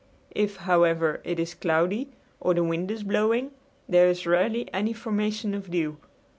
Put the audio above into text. If, however, it is cloudy or the wind is blowing there is rarely any formation of dew.